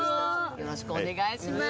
よろしくお願いします。